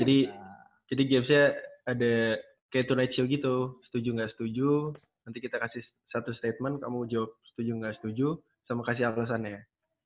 jadi jadi gamesnya ada kayak turn out shield gitu setuju gak setuju nanti kita kasih satu statement kamu jawab setuju gak setuju sama kasih alasan ya